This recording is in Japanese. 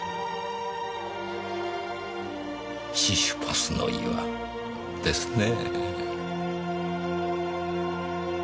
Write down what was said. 『シシュポスの岩』ですね。